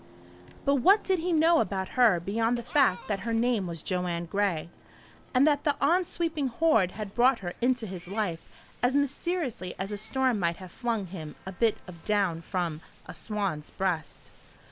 But what did he know about her beyond the fact that her name was Joanne Gray, and that the on sweeping Horde had brought her into his life as mysteriously as a storm might have flung him a bit of down from a swan's breast?